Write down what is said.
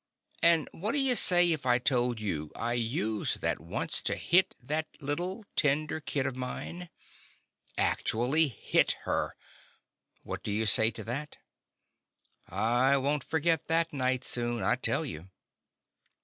And what 'd you say if I told you I used that once to hit that little, tender kid of mine? Actually hit her! What you say to that? I The Confessions of a Daddy won't forgit that night soon, I tell you!